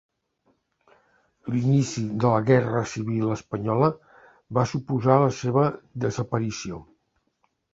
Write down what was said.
L'inici de la Guerra Civil Espanyola va suposar la seva desaparició.